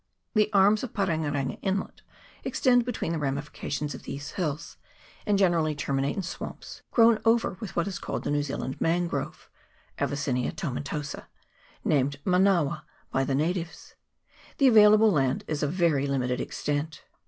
The arms of Parenga renga inlet extend between the ramifications of these hills, and generally terminate in swamps, grown over with what is called the New* Zealand mangrove (Avicennia tomentosa), named manawa by the natives. The available land is of very limited ex tent.